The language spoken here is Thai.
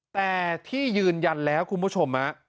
แต่ที่ยืนยันแล้วคุณผู้ชม